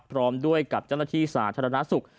พร้อมด้วยกับเจ้าหน้าที่สาธารณสุข